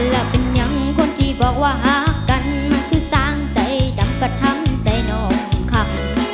และเป็นอย่างคนที่บอกว่าหากกันคือสร้างใจดำก็ทั้งใจน้องค่ะ